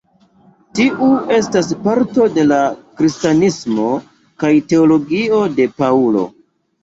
Tiu estas parto de la kristanismo kaj teologio de Paŭlo.